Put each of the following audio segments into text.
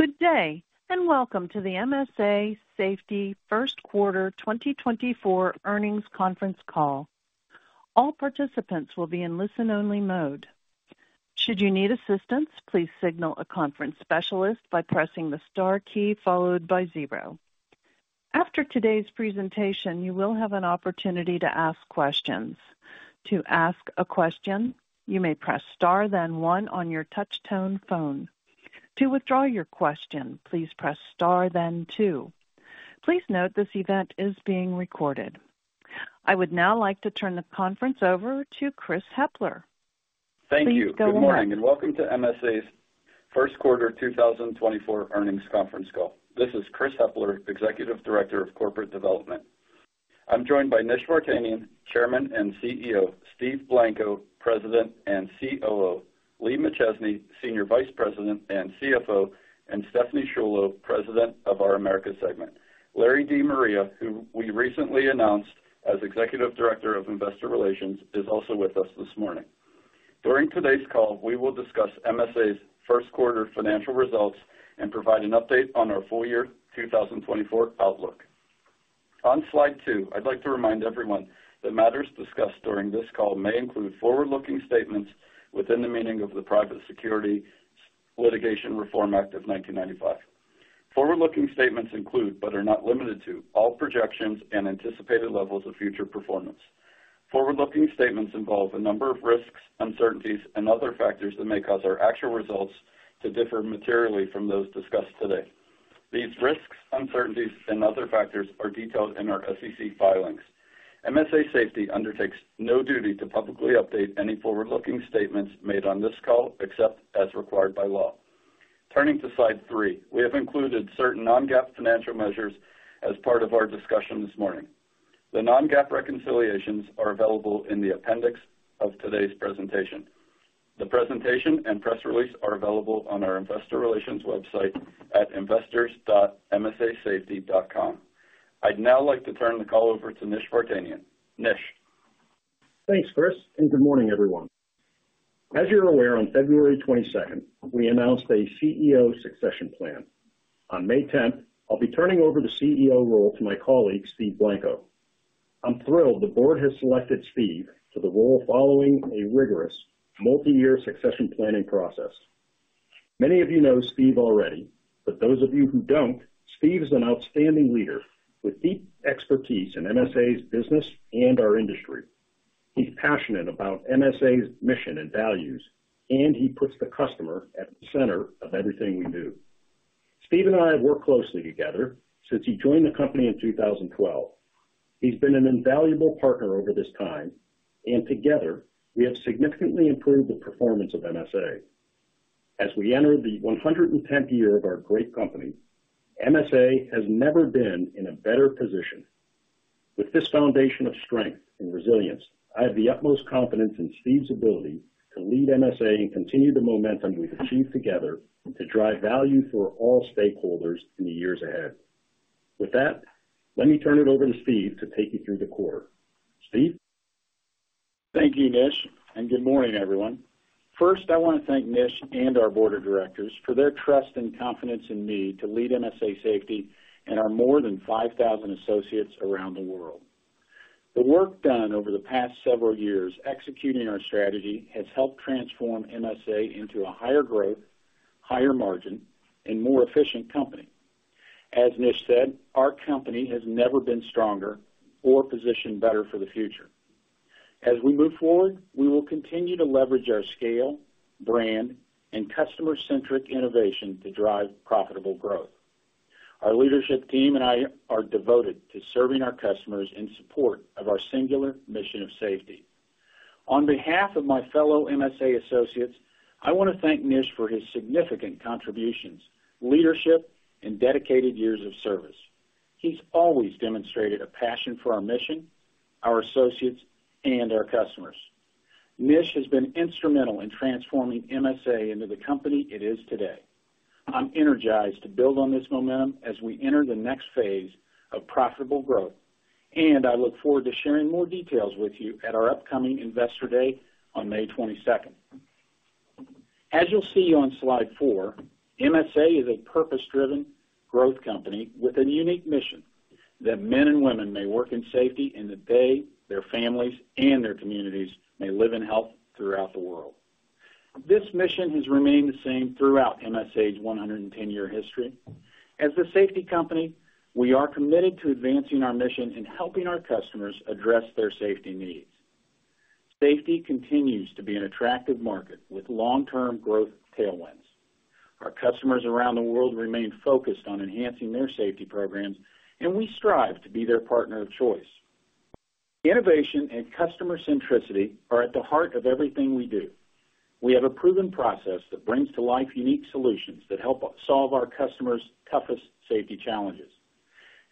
Good day, and welcome to the MSA Safety First Quarter 2024 Earnings Conference Call. All participants will be in listen-only mode. Should you need assistance, please signal a conference specialist by pressing the star key followed by zero. After today's presentation, you will have an opportunity to ask questions. To ask a question, you may press star, then one on your touchtone phone. To withdraw your question, please press star, then two. Please note this event is being recorded. I would now like to turn the conference over to Chris Hepler. Please go ahead. Thank you. Good morning, and welcome to MSA's First Quarter 2024 Earnings Conference Call. This is Chris Hepler, Executive Director of Corporate Development. I'm joined by Nish Vartanian, Chairman and CEO, Steve Blanco, President and COO, Lee McChesney, Senior Vice President and CFO, and Stephanie Sciullo, President of our Americas segment. Larry De Maria, who we recently announced as Executive Director of Investor Relations, is also with us this morning. During today's call, we will discuss MSA's first quarter financial results and provide an update on our full year 2024 outlook. On slide two, I'd like to remind everyone that matters discussed during this call may include forward-looking statements within the meaning of the Private Securities Litigation Reform Act of 1995. Forward-looking statements include, but are not limited to, all projections and anticipated levels of future performance. Forward-looking statements involve a number of risks, uncertainties, and other factors that may cause our actual results to differ materially from those discussed today. These risks, uncertainties, and other factors are detailed in our SEC filings. MSA Safety undertakes no duty to publicly update any forward-looking statements made on this call, except as required by law. Turning to slide three, we have included certain non-GAAP financial measures as part of our discussion this morning. The non-GAAP reconciliations are available in the appendix of today's presentation. The presentation and press release are available on our investor relations website at investors.msasafety.com. I'd now like to turn the call over to Nish Vartanian. Nish? Thanks, Chris, and good morning, everyone. As you're aware, on February 22nd, we announced a CEO succession plan. On May 10th, I'll be turning over the CEO role to my colleague, Steve Blanco. I'm thrilled the board has selected Steve to the role following a rigorous multi-year succession planning process. Many of you know Steve already, but those of you who don't, Steve is an outstanding leader with deep expertise in MSA's business and our industry. He's passionate about MSA's mission and values, and he puts the customer at the center of everything we do. Steve and I have worked closely together since he joined the company in 2012. He's been an invaluable partner over this time, and together, we have significantly improved the performance of MSA. As we enter the 110th year of our great company, MSA has never been in a better position. With this foundation of strength and resilience, I have the utmost confidence in Steve's ability to lead MSA and continue the momentum we've achieved together to drive value for all stakeholders in the years ahead. With that, let me turn it over to Steve to take you through the quarter. Steve? Thank you, Nish, and good morning, everyone. First, I want to thank Nish and our board of directors for their trust and confidence in me to lead MSA Safety and our more than 5,000 associates around the world. The work done over the past several years, executing our strategy, has helped transform MSA into a higher growth, higher margin, and more efficient company. As Nish said, our company has never been stronger or positioned better for the future. As we move forward, we will continue to leverage our scale, brand, and customer-centric innovation to drive profitable growth. Our leadership team and I are devoted to serving our customers in support of our singular mission of safety. On behalf of my fellow MSA associates, I want to thank Nish for his significant contributions, leadership, and dedicated years of service. He's always demonstrated a passion for our mission, our associates, and our customers. Nish has been instrumental in transforming MSA into the company it is today. I'm energized to build on this momentum as we enter the next phase of profitable growth, and I look forward to sharing more details with you at our upcoming Investor Day on May 22nd. As you'll see on slide four, MSA is a purpose-driven growth company with a unique mission: that men and women may work in safety, and that they, their families, and their communities may live in health throughout the world. This mission has remained the same throughout MSA's 110-year history. As a safety company, we are committed to advancing our mission and helping our customers address their safety needs. Safety continues to be an attractive market with long-term growth tailwinds. Our customers around the world remain focused on enhancing their safety programs, and we strive to be their partner of choice. Innovation and customer-centricity are at the heart of everything we do. We have a proven process that brings to life unique solutions that help us solve our customers' toughest safety challenges.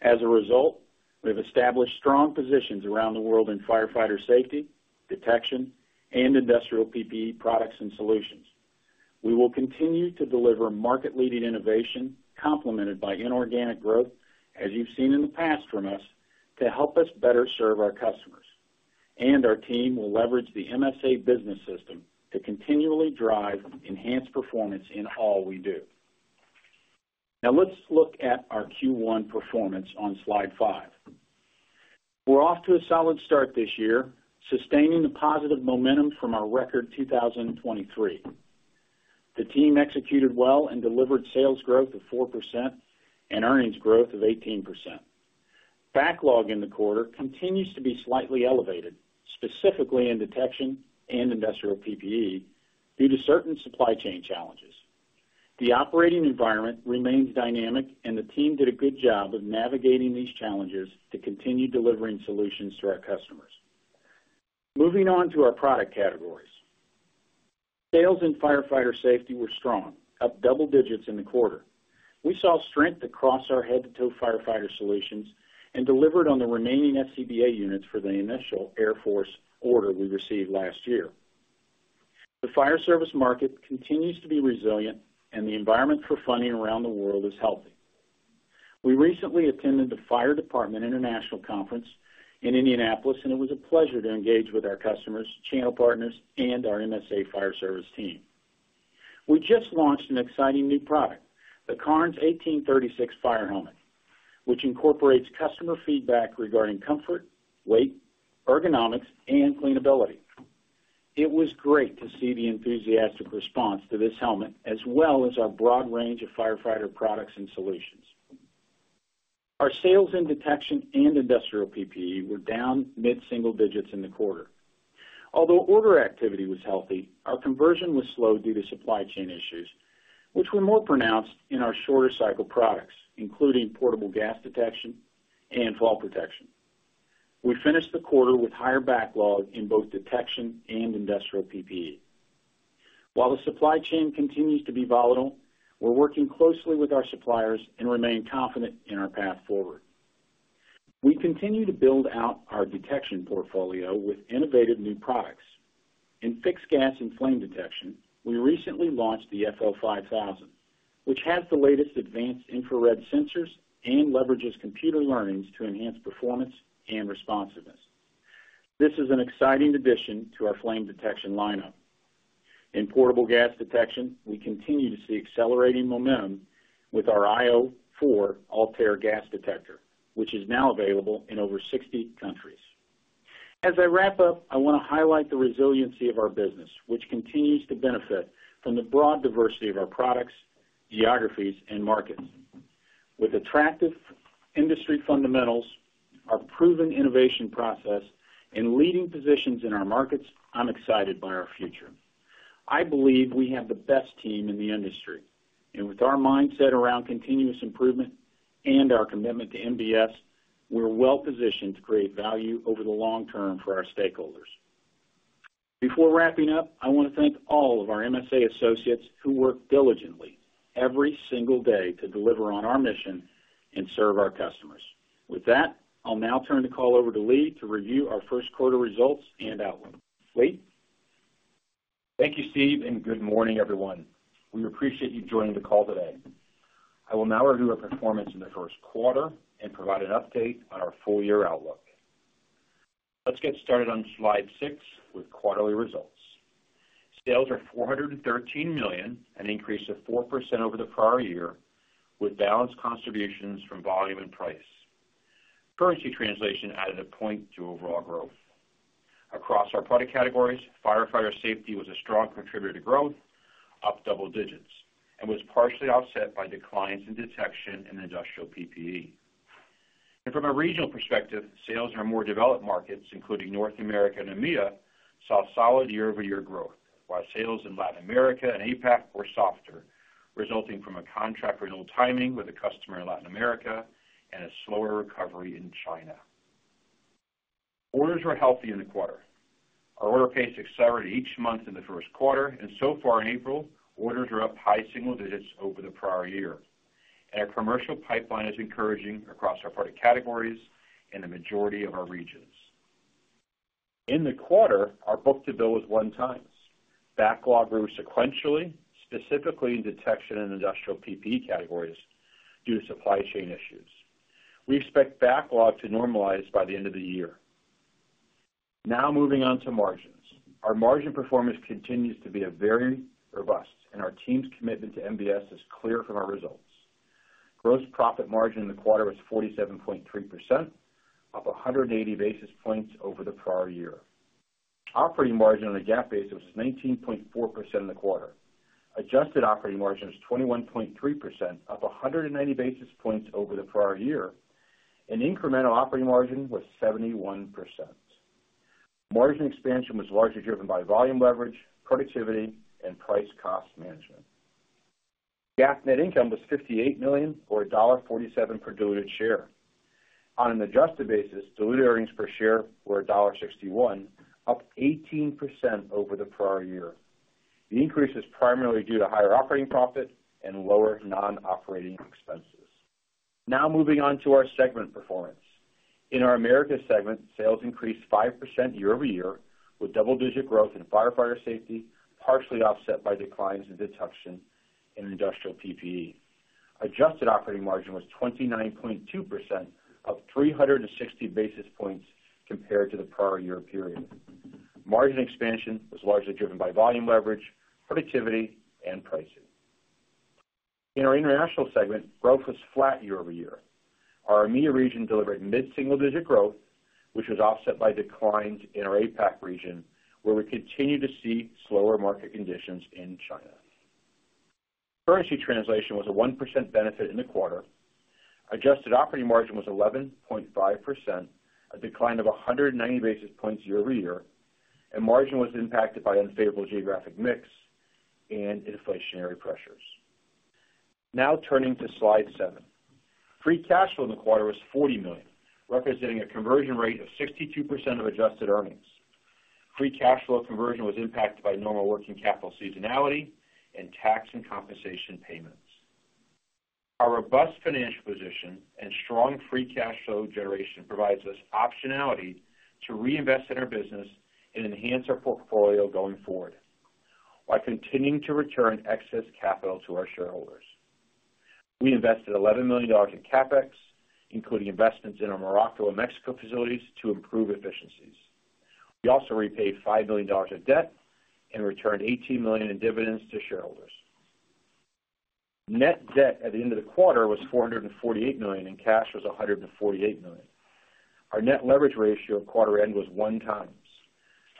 As a result, we've established strong positions around the world in Firefighter Safety, Detection, and Industrial PPE products and solutions. We will continue to deliver market-leading innovation, complemented by inorganic growth, as you've seen in the past from us, to help us better serve our customers... and our team will leverage the MSA Business System to continually drive enhanced performance in all we do. Now let's look at our Q1 performance on slide five. We're off to a solid start this year, sustaining the positive momentum from our record 2023. The team executed well and delivered sales growth of 4% and earnings growth of 18%. Backlog in the quarter continues to be slightly elevated, specifically in Detection and Industrial PPE, due to certain supply chain challenges. The operating environment remains dynamic, and the team did a good job of navigating these challenges to continue delivering solutions to our customers. Moving on to our product categories. Sales in Firefighter Safety were strong, up double digits in the quarter. We saw strength across our head-to-toe firefighter solutions and delivered on the remaining SCBA units for the initial Air Force order we received last year. The fire service market continues to be resilient, and the environment for funding around the world is healthy. We recently attended the Fire Department International Conference in Indianapolis, and it was a pleasure to engage with our customers, channel partners, and our MSA Fire Service team. We just launched an exciting new product, the Cairns 1836 Fire Helmet, which incorporates customer feedback regarding comfort, weight, ergonomics, and cleanability. It was great to see the enthusiastic response to this helmet, as well as our broad range of firefighter products and solutions. Our sales in Detection and Industrial PPE were down mid-single digits in the quarter. Although order activity was healthy, our conversion was slow due to supply chain issues, which were more pronounced in our shorter cycle products, including portable gas detection and fall protection. We finished the quarter with higher backlog in both Detection and Industrial PPE. While the supply chain continues to be volatile, we're working closely with our suppliers and remain confident in our path forward. We continue to build out our Detection portfolio with innovative new products. In fixed gas and flame detection, we recently launched the FL5000, which has the latest advanced infrared sensors and leverages computer learning to enhance performance and responsiveness. This is an exciting addition to our flame detection lineup. In portable gas detection, we continue to see accelerating momentum with our io4 ALTAIR gas detector, which is now available in over 68 countries. As I wrap up, I want to highlight the resiliency of our business, which continues to benefit from the broad diversity of our products, geographies, and markets. With attractive industry fundamentals, our proven innovation process, and leading positions in our markets, I'm excited by our future. I believe we have the best team in the industry, and with our mindset around continuous improvement and our commitment to MBS, we're well positioned to create value over the long term for our stakeholders. Before wrapping up, I want to thank all of our MSA associates who work diligently every single day to deliver on our mission and serve our customers. With that, I'll now turn the call over to Lee to review our first quarter results and outlook. Lee? Thank you, Steve, and good morning, everyone. We appreciate you joining the call today. I will now review our performance in the first quarter and provide an update on our full-year outlook. Let's get started on slide six with quarterly results. Sales are $413 million, an increase of 4% over the prior year, with balanced contributions from volume and price. Currency translation added a point to overall growth. Across our product categories, Firefighter Safety was a strong contributor to growth, up double digits, and was partially offset by declines in Detection and Industrial PPE. From a regional perspective, sales in our more developed markets, including North America and EMEA, saw solid year-over-year growth, while sales in Latin America and APAC were softer, resulting from a contract renewal timing with a customer in Latin America and a slower recovery in China. Orders were healthy in the quarter. Our order pace accelerated each month in the first quarter, and so far in April, orders are up high single digits over the prior year. Our commercial pipeline is encouraging across our product categories in the majority of our regions. In the quarter, our book-to-bill was 1x. Backlog grew sequentially, specifically in Detection and Industrial PPE categories, due to supply chain issues. We expect backlog to normalize by the end of the year. Now moving on to margins. Our margin performance continues to be, very robust, and our team's commitment to MBS is clear from our results. Gross profit margin in the quarter was 47.3%, up 180 basis points over the prior year. Operating margin on a GAAP basis was 19.4% in the quarter. Adjusted operating margin was 21.3%, up 190 basis points over the prior year, and incremental operating margin was 71%. Margin expansion was largely driven by volume leverage, productivity, and price cost management. GAAP net income was $58 million, or $1.47 per diluted share. On an adjusted basis, diluted earnings per share were $1.61, up 18% over the prior year. The increase is primarily due to higher operating profit and lower non-operating expenses. Now moving on to our segment performance. In our Americas segment, sales increased 5% year-over-year, with double-digit growth in Firefighter Safety, partially offset by declines in Detection and Industrial PPE. Adjusted operating margin was 29.2%, up 360 basis points compared to the prior year period. Margin expansion was largely driven by volume leverage, productivity, and pricing. In our International segment, growth was flat year-over-year. Our EMEA region delivered mid-single digit growth, which was offset by declines in our APAC region, where we continue to see slower market conditions in China. Currency translation was a 1% benefit in the quarter. Adjusted operating margin was 11.5%, a decline of 190 basis points year-over-year, and margin was impacted by unfavorable geographic mix and inflationary pressures. Now turning to slide seven. Free cash flow in the quarter was $40 million, representing a conversion rate of 62% of adjusted earnings. Free cash flow conversion was impacted by normal working capital seasonality and tax and compensation payments. Our robust financial position and strong free cash flow generation provides us optionality to reinvest in our business and enhance our portfolio going forward, while continuing to return excess capital to our shareholders. We invested $11 million in CapEx, including investments in our Morocco and Mexico facilities to improve efficiencies. We also repaid $5 million of debt and returned $18 million in dividends to shareholders. Net debt at the end of the quarter was $448 million, and cash was $148 million. Our net leverage ratio at quarter end was 1x.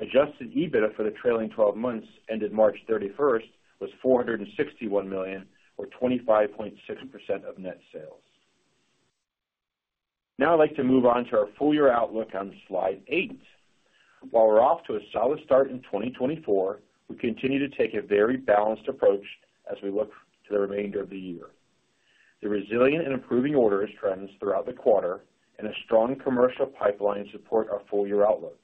Adjusted EBITDA for the trailing 12 months, ended March 31st, was $461 million, or 25.6% of net sales. Now I'd like to move on to our full year outlook on slide eight. While we're off to a solid start in 2024, we continue to take a very balanced approach as we look to the remainder of the year. The resilient and improving orders trends throughout the quarter and a strong commercial pipeline support our full-year outlook.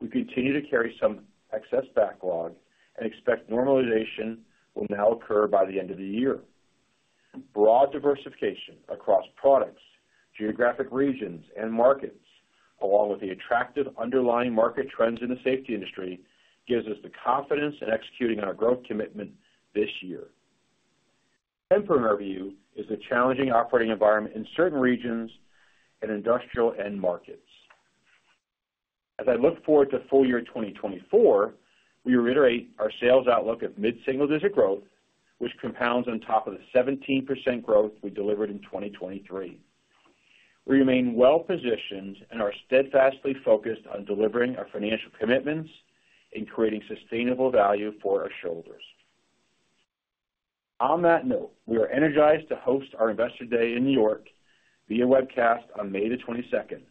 We continue to carry some excess backlog and expect normalization will now occur by the end of the year. Broad diversification across products, geographic regions, and markets, along with the attractive underlying market trends in the safety industry, gives us the confidence in executing on our growth commitment this year. Tempered in our view, is a challenging operating environment in certain regions and industrial end markets. As I look forward to full year 2024, we reiterate our sales outlook at mid-single digit growth, which compounds on top of the 17% growth we delivered in 2023. We remain well positioned and are steadfastly focused on delivering our financial commitments and creating sustainable value for our shareholders. On that note, we are energized to host our Investor Day in New York via webcast on May 22nd,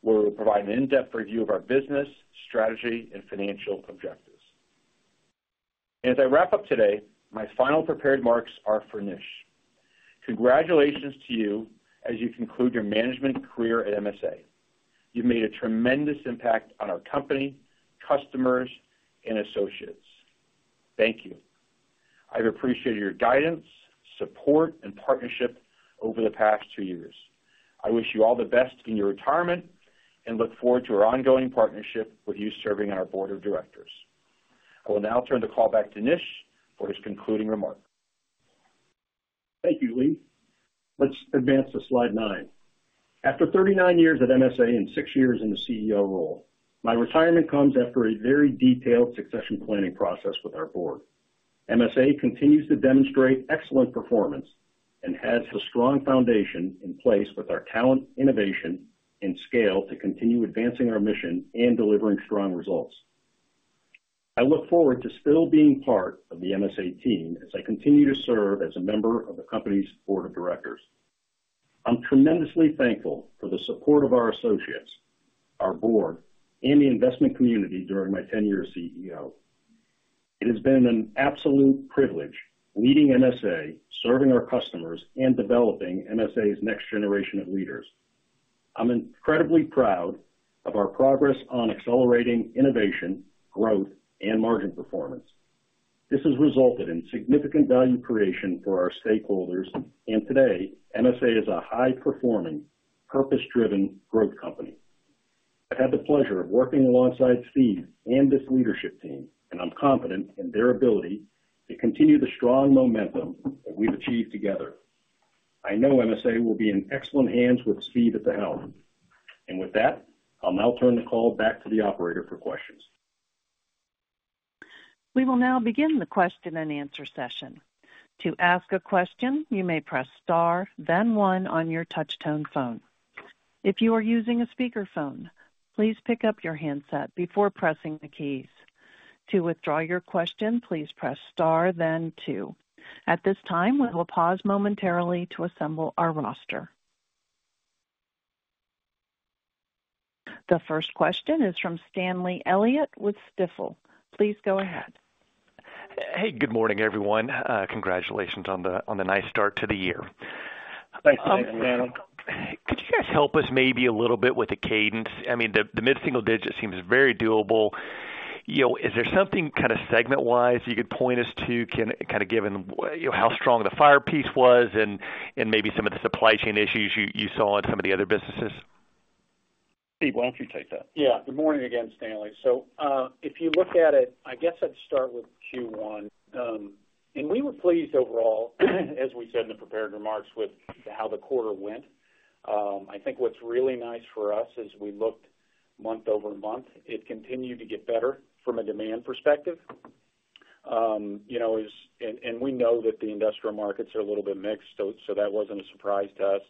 where we'll provide an in-depth review of our business, strategy, and financial objectives. As I wrap up today, my final prepared remarks are for Nish. Congratulations to you as you conclude your management career at MSA. You've made a tremendous impact on our Company, customers, and associates. Thank you. I've appreciated your guidance, support, and partnership over the past two years. I wish you all the best in your retirement, and look forward to our ongoing partnership with you serving on our Board of Directors. I will now turn the call back to Nish for his concluding remarks. Thank you, Lee. Let's advance to slide nine. After 39 years at MSA and six years in the CEO role, my retirement comes after a very detailed succession planning process with our Board. MSA continues to demonstrate excellent performance and has a strong foundation in place with our talent, innovation, and scale to continue advancing our mission and delivering strong results. I look forward to still being part of the MSA team as I continue to serve as a member of the company's Board of Directors. I'm tremendously thankful for the support of our associates, our Board, and the investment community during my tenure as CEO. It has been an absolute privilege leading MSA, serving our customers, and developing MSA's next generation of leaders. I'm incredibly proud of our progress on accelerating innovation, growth, and margin performance. This has resulted in significant value creation for our stakeholders, and today, MSA is a high-performing, purpose-driven growth company. I've had the pleasure of working alongside Steve and this leadership team, and I'm confident in their ability to continue the strong momentum that we've achieved together. I know MSA will be in excellent hands with Steve at the helm. With that, I'll now turn the call back to the operator for questions. We will now begin the question-and-answer session. To ask a question, you may press star, then one on your touch tone phone. If you are using a speakerphone, please pick up your handset before pressing the keys. To withdraw your question, please press star then two. At this time, we will pause momentarily to assemble our roster. The first question is from Stanley Elliott with Stifel. Please go ahead. Hey, good morning, everyone. Congratulations on the nice start to the year. Thanks, Stanley. Could you guys help us maybe a little bit with the cadence? I mean, the mid-single digit seems very doable. You know, is there something kind of segment-wise you could point us to, kind of given, you know, how strong the fire piece was and maybe some of the supply chain issues you saw on some of the other businesses?... Steve, why don't you take that? Yeah. Good morning again, Stanley. So, if you look at it, I guess I'd start with Q1. We were pleased overall, as we said in the prepared remarks, with how the quarter went. I think what's really nice for us is we looked month-over-month. It continued to get better from a demand perspective. You know, and we know that the industrial markets are a little bit mixed, so that wasn't a surprise to us.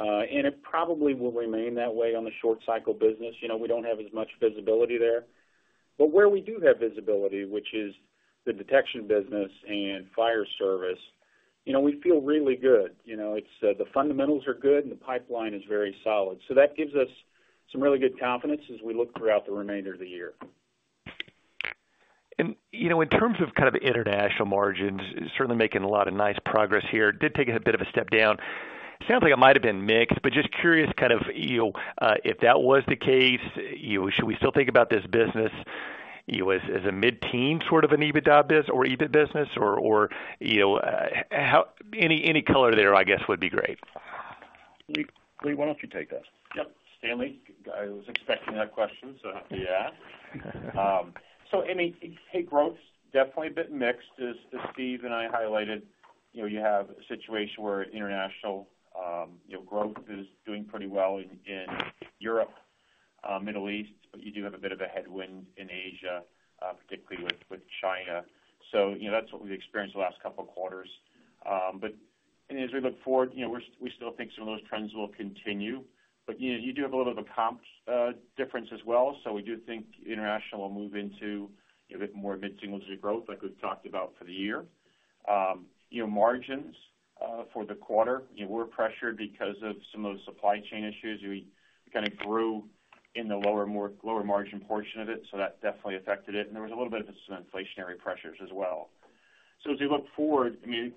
It probably will remain that way on the short cycle business. You know, we don't have as much visibility there. But where we do have visibility, which is the Detection business and Fire Service, you know, we feel really good. You know, it's the fundamentals are good, and the pipeline is very solid. That gives us some really good confidence as we look throughout the remainder of the year. You know, in terms of kind of international margins, certainly making a lot of nice progress here. Did take a bit of a step down. Sounds like it might have been mixed, but just curious, kind of, you know, if that was the case, you know, should we still think about this business, you know, as, as a mid-teen sort of an EBITDA business or EBIT business? Or, or, you know, how any, any color there, I guess, would be great. Lee, Lee, why don't you take that? Yep, Stanley, I was expecting that question, so happy to answer. So I mean, hey, growth's definitely a bit mixed, as, as Steve and I highlighted. You know, you have a situation where international, you know, growth is doing pretty well in, in Europe, Middle East, but you do have a bit of a headwind in Asia, particularly with, with China. So, you know, that's what we've experienced the last couple of quarters. But as we look forward, you know, we're, we still think some of those trends will continue. But, you know, you do have a little of a comps, difference as well. So we do think international will move into a bit more mid-single digit growth, like we've talked about for the year. You know, margins for the quarter, you know, we're pressured because of some of those supply chain issues. We kind of grew in the lower margin portion of it, so that definitely affected it, and there was a little bit of some inflationary pressures as well. So as we look forward, I mean,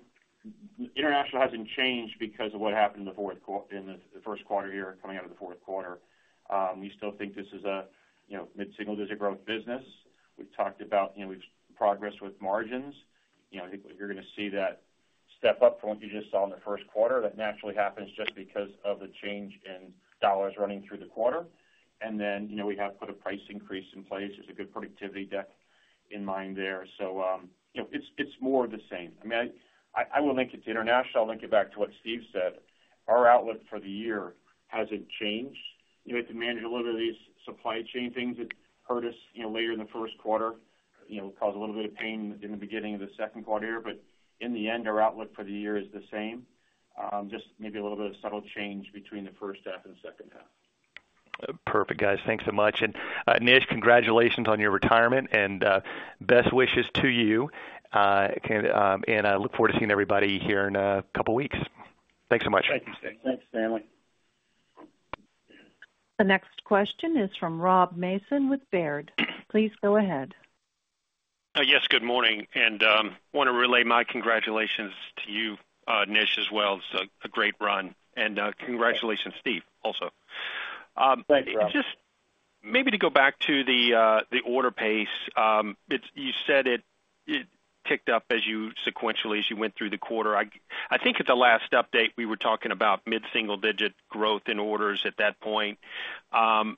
international hasn't changed because of what happened in the fourth quarter in the first quarter here, coming out of the fourth quarter. We still think this is a, you know, mid-single digit growth business. We've talked about, you know, we've progress with margins. You know, I think you're gonna see that step up from what you just saw in the first quarter. That naturally happens just because of the change in dollars running through the quarter. And then, you know, we have put a price increase in place. There's a good productivity deck in mind there. So, you know, it's more of the same. I mean, I will link it to international. I'll link it back to what Steve said. Our outlook for the year hasn't changed. You have to manage a little of these supply chain things that hurt us, you know, later in the first quarter. You know, caused a little bit of pain in the beginning of the second quarter, but in the end, our outlook for the year is the same. Just maybe a little bit of subtle change between the first half and the second half. Perfect, guys. Thanks so much. And, Nish, congratulations on your retirement, and best wishes to you. And I look forward to seeing everybody here in a couple of weeks. Thanks so much. Thank you, Steve. Thanks, Stanley. The next question is from Rob Mason with Baird. Please go ahead. Yes, good morning, and want to relay my congratulations to you, Nish, as well. It's a great run. And, congratulations, Steve, also. Thanks, Rob. Just maybe to go back to the order pace. It's you said it, it ticked up as you sequentially, as you went through the quarter. I think at the last update, we were talking about mid-single digit growth in orders at that point.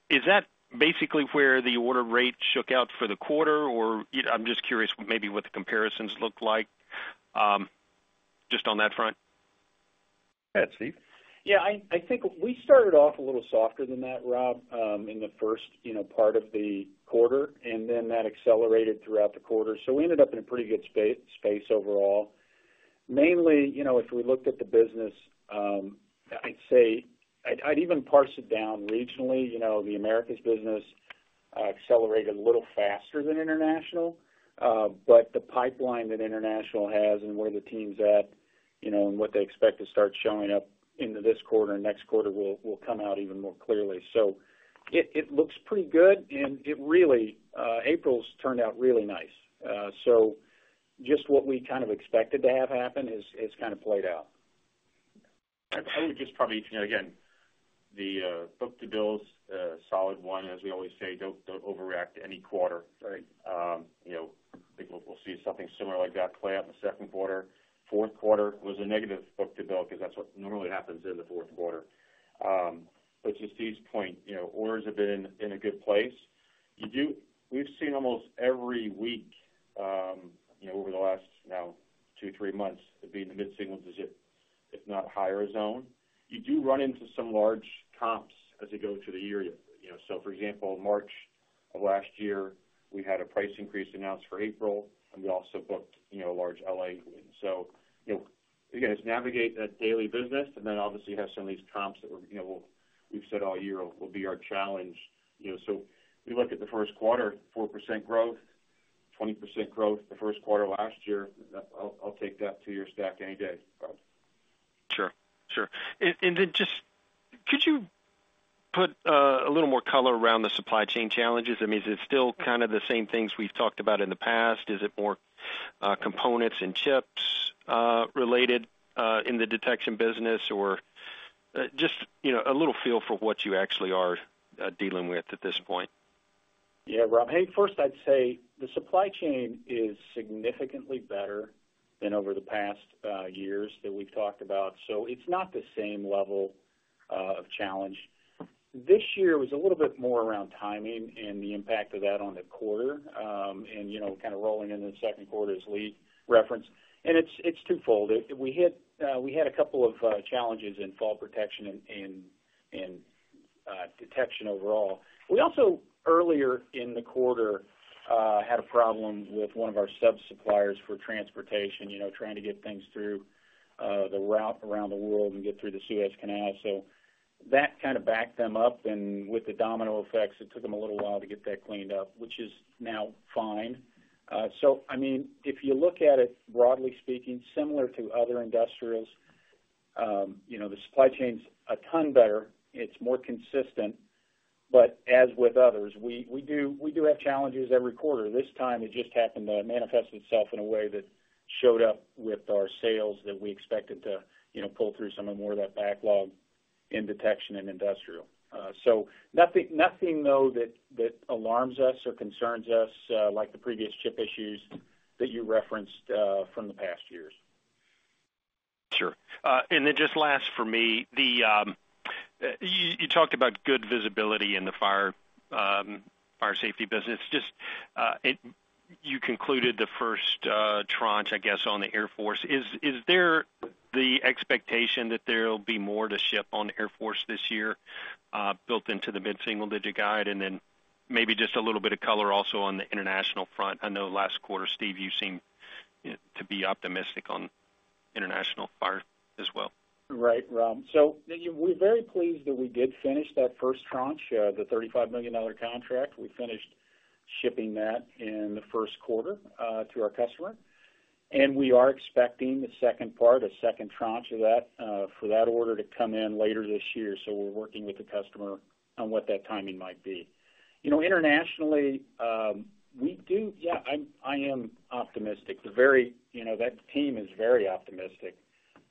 Is that basically where the order rate shook out for the quarter? Or I'm just curious maybe what the comparisons look like, just on that front. Yeah, Steve? Yeah, I think we started off a little softer than that, Rob, in the first, you know, part of the quarter, and then that accelerated throughout the quarter. So we ended up in a pretty good space overall. Mainly, you know, if we looked at the business, I'd say I'd even parse it down regionally. You know, the Americas business accelerated a little faster than international. But the pipeline that international has and where the team's at, you know, and what they expect to start showing up into this quarter and next quarter will come out even more clearly. So it looks pretty good, and it really April's turned out really nice. So just what we kind of expected to have happen is kind of played out. I would just probably, you know, again, the book-to-bill's a solid one, as we always say, don't, don't overreact to any quarter. Right? You know, I think we'll, we'll see something similar like that play out in the second quarter. Fourth quarter was a negative book-to-bill, because that's what normally happens in the fourth quarter. But to Steve's point, you know, orders have been in a good place. We've seen almost every week, you know, over the last now two, three months, to be in the mid-single digit, if not higher, zone. You do run into some large comps as you go through the year. You know, so for example, March of last year, we had a price increase announced for April, and we also booked, you know, a large L.A. You know, you guys navigate that daily business, and then obviously, you have some of these comps that were, you know, we've said all year will be our challenge. You know, so if you look at the first quarter, 4% growth, 20% growth the first quarter of last year, I'll take that two year stack any day, Rob. Sure. Sure. And then just, could you put a little more color around the supply chain challenges? I mean, is it still kind of the same things we've talked about in the past? Is it more components and chips related in the Detection business? Or just, you know, a little feel for what you actually are dealing with at this point.... Yeah, Rob, hey, first I'd say the supply chain is significantly better than over the past years that we've talked about, so it's not the same level of challenge. This year was a little bit more around timing and the impact of that on the quarter, and, you know, kind of rolling into the second quarter's lead reference. And it's twofold. We hit, we had a couple of challenges in fall protection and Detection overall. We also, earlier in the quarter, had a problem with one of our sub-suppliers for transportation, you know, trying to get things through the route around the world and get through the Suez Canal. So that kind of backed them up, and with the domino effects, it took them a little while to get that cleaned up, which is now fine. So, I mean, if you look at it, broadly speaking, similar to other industrials, you know, the supply chain's a ton better, it's more consistent. But as with others, we do have challenges every quarter. This time, it just happened to manifest itself in a way that showed up with our sales that we expected to, you know, pull through some of more of that backlog in Detection and industrial. So nothing though that alarms us or concerns us, like the previous chip issues that you referenced from the past years. Sure. And then just last for me, the you talked about good visibility in the Fire FireSafety business. Just you concluded the first tranche, I guess, on the Air Force. Is there the expectation that there will be more to ship on Air Force this year built into the mid-single-digit guide? And then maybe just a little bit of color also on the international front. I know last quarter, Steve, you seemed, you know, to be optimistic on International Fire as well. Right, Rob. So we're very pleased that we did finish that first tranche, the $35 million contract. We finished shipping that in the first quarter to our customer. And we are expecting the second part, a second tranche of that, for that order to come in later this year. So we're working with the customer on what that timing might be. You know, internationally, Yeah, I am optimistic. The very, you know, that team is very optimistic.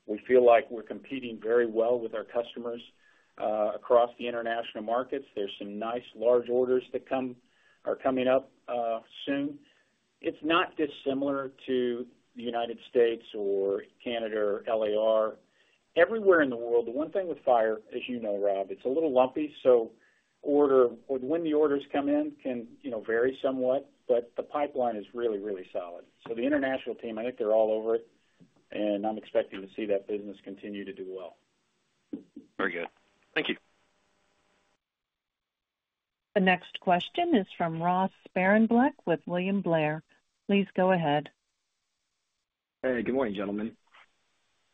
We feel like we're competing very well with our customers across the international markets. There's some nice large orders that come, are coming up soon. It's not dissimilar to the United States or Canada or LAR. Everywhere in the world, the one thing with Fire, as you know, Rob, it's a little lumpy, so orders—or when the orders come in—can, you know, vary somewhat, but the pipeline is really, really solid. So the international team, I think they're all over it, and I'm expecting to see that business continue to do well. Very good. Thank you. The next question is from Ross Sparenblek with William Blair. Please go ahead. Hey, good morning, gentlemen.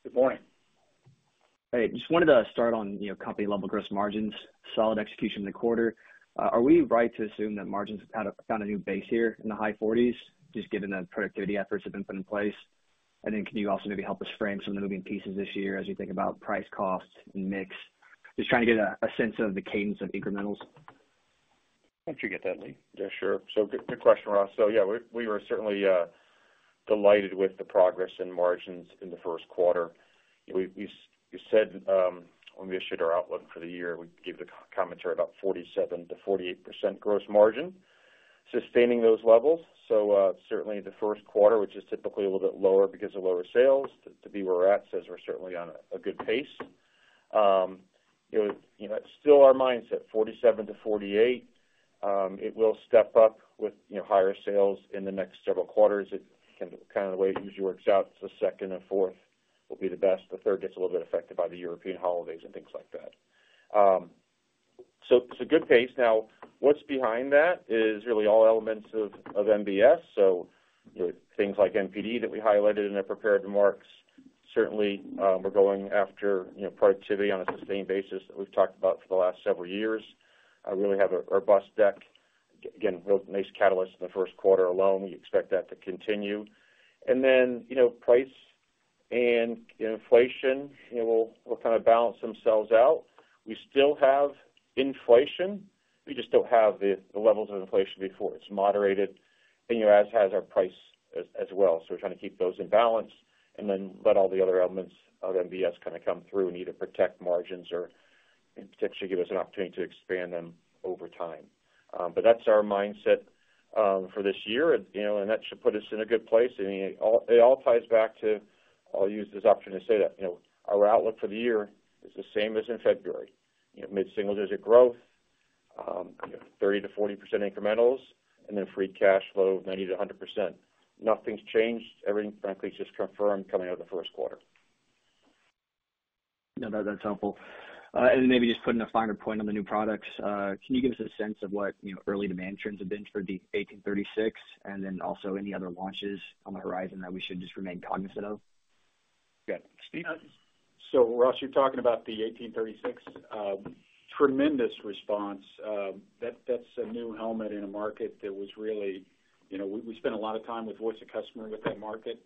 Good morning. Hey, just wanted to start on, you know, company level gross margins, solid execution in the quarter. Are we right to assume that margins have found a new base here in the high 40s%, just given the productivity efforts have been put in place? And then can you also maybe help us frame some of the moving pieces this year as you think about price, costs, and mix? Just trying to get a sense of the cadence of incrementals. Why don't you get that, Lee? Yeah, sure. So good, good question, Ross. So yeah, we were certainly delighted with the progress in margins in the first quarter. We said, when we issued our outlook for the year, we gave the commentary about 47%-48% gross margin, sustaining those levels. So certainly the first quarter, which is typically a little bit lower because of lower sales, to be where we're at, says we're certainly on a good pace. You know, you know, it's still our mindset, 47%-48%. It will step up with, you know, higher sales in the next several quarters. It kind of the way it usually works out, the second and fourth will be the best. The third gets a little bit affected by the European holidays and things like that. So it's a good pace. Now, what's behind that is really all elements of MBS. So, you know, things like NPD that we highlighted in our prepared remarks. Certainly, we're going after, you know, productivity on a sustained basis that we've talked about for the last several years. We really have a robust deck. Again, nice catalyst in the first quarter alone. We expect that to continue. And then, you know, price and inflation, you know, will kind of balance themselves out. We still have inflation. We just don't have the levels of inflation before. It's moderated, and, you know, as has our price as well. So we're trying to keep those in balance and then let all the other elements of MBS kind of come through and either protect margins or potentially give us an opportunity to expand them over time. But that's our mindset for this year, and, you know, and that should put us in a good place. And it all, it all ties back to... I'll use this opportunity to say that, you know, our outlook for the year is the same as in February. You know, mid-single-digit growth, you know, 30%-40% incrementals, and then free cash flow of 90%-100%. Nothing's changed. Everything, frankly, is just confirmed coming out of the first quarter. No, that, that's helpful. And then maybe just putting a finer point on the new products, can you give us a sense of what, you know, early demand trends have been for the 1836, and then also any other launches on the horizon that we should just remain cognizant of? Good. Steve? So, Ross, you're talking about the 1836. Tremendous response. That's a new helmet in a market that was really... You know, we spent a lot of time with Voice of Customer with that market,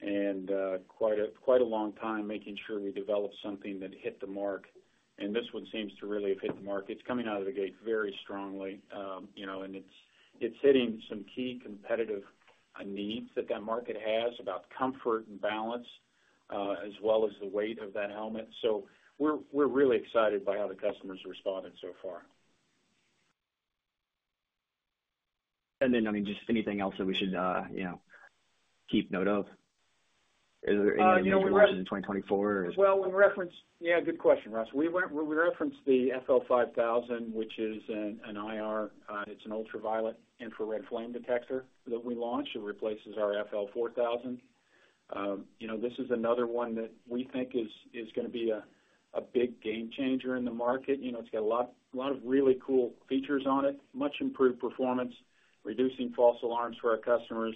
and quite a long time making sure we developed something that hit the mark, and this one seems to really have hit the market. It's coming out of the gate very strongly. You know, and it's hitting some key competitive needs that market has about comfort and balance... as well as the weight of that helmet. So we're really excited by how the customer's responded so far. And then, I mean, just anything else that we should, you know, keep note of? Is there any new You know, when— in 2024 or is- Well, when we reference... Yeah, good question, Ross. We, when we referenced the FL5000, which is an IR, it's an ultraviolet infrared flame detector that we launched. It replaces our FL4000. You know, this is another one that we think is gonna be a big game changer in the market. You know, it's got a lot, a lot of really cool features on it. Much improved performance, reducing false alarms for our customers.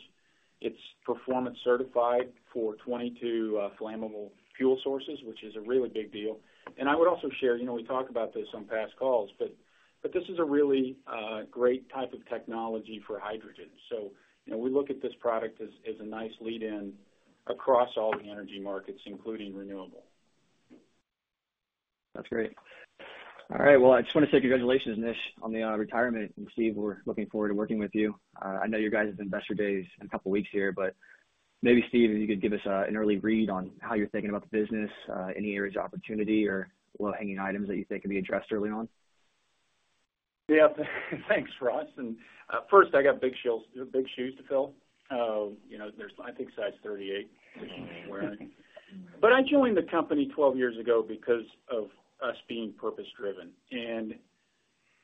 It's performance certified for 22 flammable fuel sources, which is a really big deal. And I would also share, you know, we talked about this on past calls, but this is a really great type of technology for hydrogen. So, you know, we look at this product as a nice lead-in across all the energy markets, including renewable. That's great. All right. Well, I just wanna say congratulations, Nish, on the retirement. Steve, we're looking forward to working with you. I know you guys have Investor Days in a couple of weeks here, but maybe, Steve, if you could give us an early read on how you're thinking about the business, any areas of opportunity or low-hanging items that you think can be addressed early on? Yeah. Thanks, Ross. And, first, I got big shields, big shoes to fill. You know, there's, I think, size 38, which he was wearing. But I joined the company 12 years ago because of us being purpose-driven. And,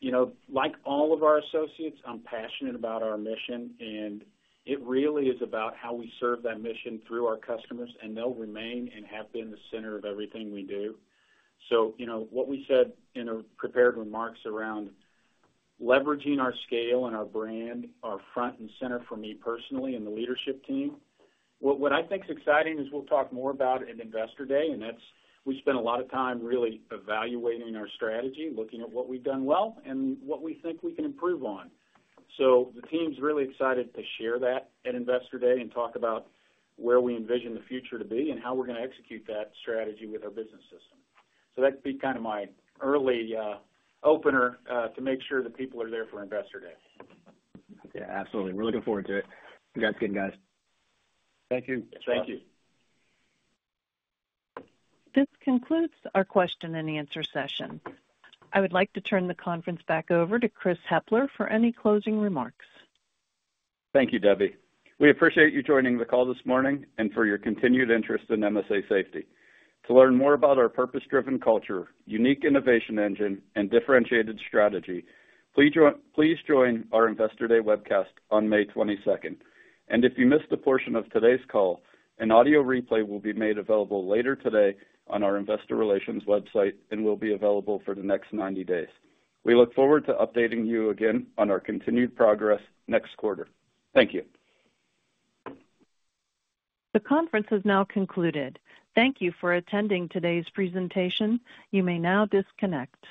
you know, like all of our associates, I'm passionate about our mission, and it really is about how we serve that mission through our customers, and they'll remain and have been the center of everything we do. So, you know, what we said in our prepared remarks around leveraging our scale and our brand are front and center for me personally and the leadership team. What, what I think is exciting is we'll talk more about at Investor Day, and that's, we spent a lot of time really evaluating our strategy, looking at what we've done well and what we think we can improve on. So the team's really excited to share that at Investor Day and talk about where we envision the future to be and how we're gonna execute that strategy with our Business System. So that'd be kind of my early opener to make sure that people are there for Investor Day. Okay, absolutely. We're looking forward to it. You guys are good, guys. Thank you. Thank you. This concludes our question and answer session. I would like to turn the conference back over to Chris Hepler for any closing remarks. Thank you, Debbie. We appreciate you joining the call this morning and for your continued interest in MSA Safety. To learn more about our purpose-driven culture, unique innovation engine, and differentiated strategy, please join, please join our Investor Day webcast on May 22nd. And if you missed a portion of today's call, an audio replay will be made available later today on our investor relations website and will be available for the next 90 days. We look forward to updating you again on our continued progress next quarter. Thank you. The conference has now concluded. Thank you for attending today's presentation. You may now disconnect.